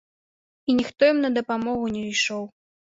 І ніхто ім на дапамогу не ішоў.